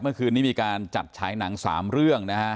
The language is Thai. เมื่อคืนนี้มีการจัดฉายหนัง๓เรื่องนะฮะ